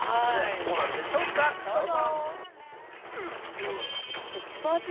どうなるんでしょうか、どうぞ。